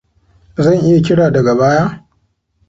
Zan iya kira daga baya?